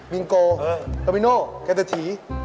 วิงโกอมิโนแกตะถี